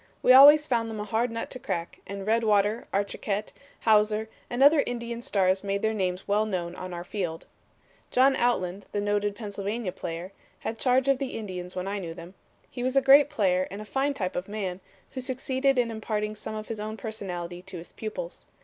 We always found them a hard nut to crack, and Redwater, Archiquette, Hauser and other Indian stars made their names well known on our field. "John Outland, the noted Pennsylvania player, had charge of the Indians when I knew them. He was a great player and a fine type of man, who succeeded in imparting some of his own personality to his pupils.